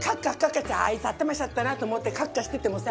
あいつ頭きちゃったなと思ってカッカしててもさ